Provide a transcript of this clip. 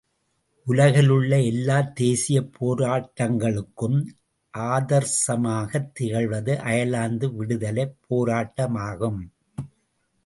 உலகிலுள்ள எல்லாத் தேசியப் போராட்டங்களுக்கும் ஆதர்சமாகத் திகழ்வது அயர்லாந்து விடுதலைப் போராட்டமாகும்.